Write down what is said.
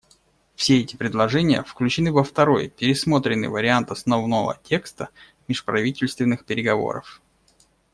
Все эти предложения включены во второй пересмотренный вариант основного текста межправительственных переговоров.